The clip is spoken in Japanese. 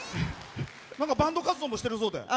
バンド活動もしているそうで。